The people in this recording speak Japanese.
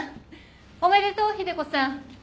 おめでとう秀子さん。